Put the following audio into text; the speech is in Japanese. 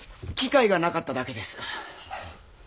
機会がなかっただけです。